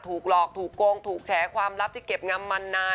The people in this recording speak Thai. ถูกหลอกถูกโกงถูกแฉความลับที่เก็บงำมานาน